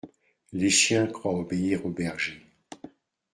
Les chiens croient obéir aux bergers.